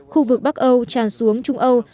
khu vực bắc âu tràn xuống trung âu